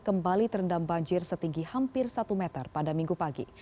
kembali terendam banjir setinggi hampir satu meter pada minggu pagi